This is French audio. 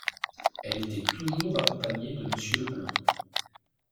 Elle était toujours accompagnée de Monsieur Leblanc.